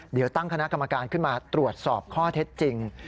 เดี๋ยวตั้งคณะกรรมการขึ้นมาตรวจสอบข้อเท็จจริง